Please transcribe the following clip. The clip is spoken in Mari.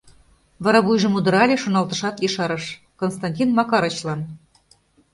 Вара вуйжым удырале, шоналтышат, ешарыш: «Константин Макарычлан».